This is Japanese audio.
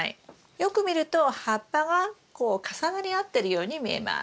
よく見ると葉っぱがこう重なり合ってるように見えます。